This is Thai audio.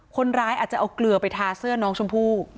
คนร้ายอาจจะเอาเกลือไปทาเสื้อน้องชมพู่